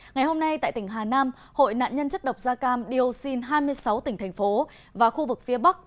ngày hôm nay tại tỉnh hà nam hội nạn nhân chất độc da cam dioxin hai mươi sáu tỉnh thành phố và khu vực phía bắc